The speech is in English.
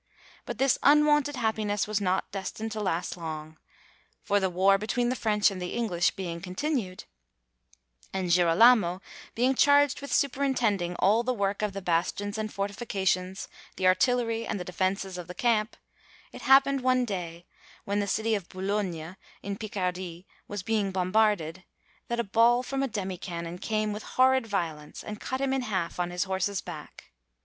But this unwonted happiness was not destined to last long, for the war between the French and the English being continued, and Girolamo being charged with superintending all the work of the bastions and fortifications, the artillery, and the defences of the camp, it happened one day, when the city of Boulogne in Picardy was being bombarded, that a ball from a demi cannon came with horrid violence and cut him in half on his horse's back.